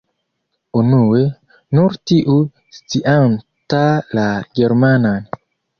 Unue, nur tiu scianta la germanan.